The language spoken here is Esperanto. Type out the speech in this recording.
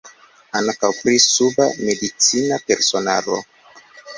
Ankaŭ pri suba medicina personaro.